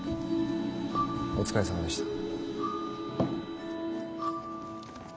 お疲れさまでした。